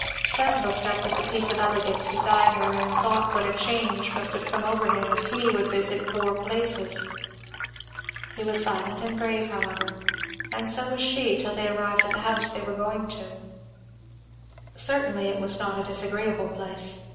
Fleda looked up at the piece of elegance beside her, and thought what a change must have come over him if he would visit poor places. He was silent and grave however, and so was she, till they arrived at the house they were going to. Certainly it was not a disagreeable place.